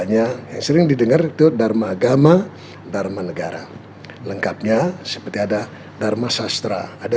hai yang sering didenghealthy dharma agama datang negara lengkapnya seperti ada dharma sastra ada